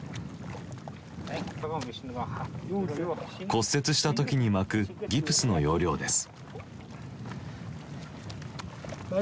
骨折した時に巻くギプスの要領です。